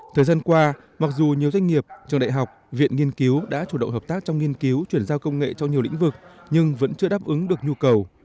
thời gian qua mặc dù nhiều doanh nghiệp trường đại học viện nghiên cứu đã chủ động hợp tác trong nghiên cứu chuyển giao công nghệ trong nhiều lĩnh vực nhưng vẫn chưa đáp ứng được nhu cầu